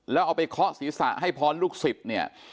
แล้วเอาไปเคาะศีรษะให้พรลูกศิษย์เนี่ย